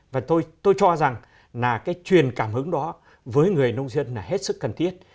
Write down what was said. và tôi cho rằng là cái truyền cảm hứng đó với người nông dân là hết sức cần thiết